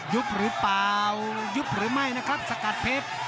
ยุบหรือเปล่ายุบหรือไม่นะครับสกัดเพชร